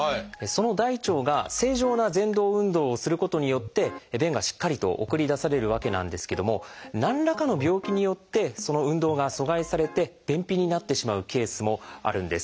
その大腸が正常なぜん動運動をすることによって便がしっかりと送り出されるわけなんですけども何らかの病気によってその運動が阻害されて便秘になってしまうケースもあるんです。